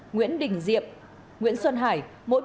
nguyễn đình diệp nguyễn xuân hải